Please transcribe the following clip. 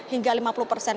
hingga lima puluh persen